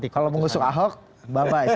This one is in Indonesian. kalau mengusung ahok bye bye